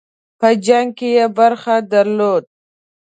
په جنګ کې یې برخه درلوده.